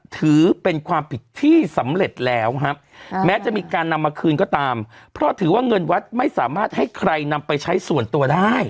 ถือเป็นความผิดที่สำเร็จแล้วครับแม้จะมีการนำมาคืนก็ตามเพราะถือว่าเงินวัดไม่สามารถให้ใครนำไปใช้ส่วนตัวได้